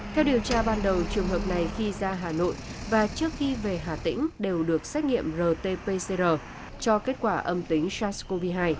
theo điều tra ban đầu trường hợp này khi ra hà nội và trước khi về hà tĩnh đều được xét nghiệm rt pcr cho kết quả âm tính sars cov hai